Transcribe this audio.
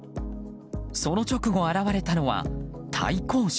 その直後現れたのは対向車。